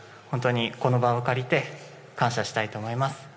本当にこの場を借りて感謝したいと思います。